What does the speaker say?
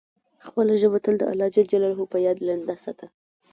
خپله ژبه تل د الله جل جلاله په یاد لنده ساته.